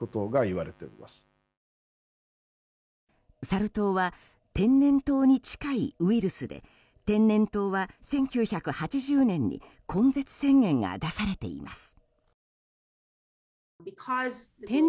サル痘は天然痘に近いウイルスで天然痘は１９８０年に根絶宣言が出されています。